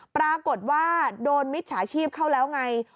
ปรากฏว่าโดนมิจฉาชีพเข้าแล้วไง